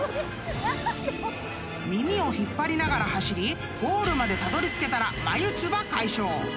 ［耳を引っ張りながら走りゴールまでたどりつけたら眉唾解消！］